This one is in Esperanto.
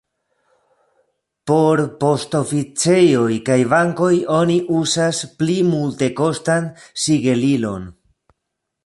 Por poŝtoficejoj kaj bankoj oni uzas pli multekostan sigelilon.